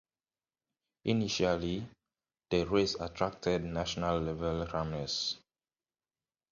Initially, the race attracted national-level runners.